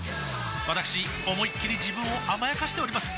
わたくし思いっきり自分を甘やかしております